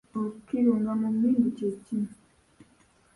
Okukirunga mu mmindi kye ki?